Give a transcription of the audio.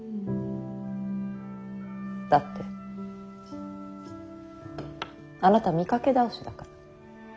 だってあなた見かけ倒しだから。